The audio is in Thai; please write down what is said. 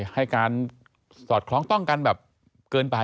ให้การสอดคล้องต้องกันแบบเกินไป